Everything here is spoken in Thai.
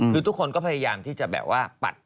คือทุกคนก็พยายามที่จะแบบว่าปัด